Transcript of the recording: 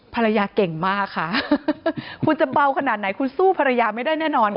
ภรรยาเก่งมากค่ะคุณจะเบาขนาดไหนคุณสู้ภรรยาไม่ได้แน่นอนค่ะ